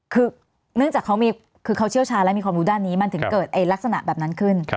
คือเนื่องจากเขามีคือเขาเชี่ยวชาญและมีความรู้ด้านนี้มันถึงเกิดลักษณะแบบนั้นขึ้น